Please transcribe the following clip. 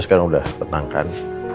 sekarang udah tenang kan